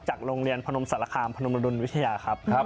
โรงเรียนพนมสารคามพนมดุลวิทยาครับ